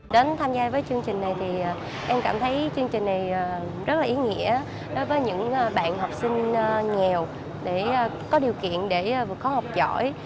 đến tham gia với chương trình này thì em cảm thấy chương trình này rất là ý nghĩa đối với những bạn học sinh nghèo để có điều kiện để có học giỏi